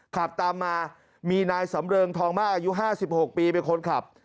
ขับตามมามีนายสำเริงทองมากอายุ๕๖ปีเป็นคนขับ